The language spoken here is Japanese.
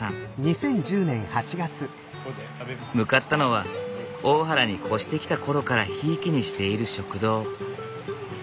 向かったのは大原に越してきた頃からひいきにしている食堂。